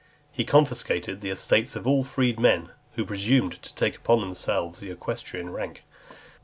He confiscated the estates of all freedmen who presumed to take upon themselves the equestrian rank.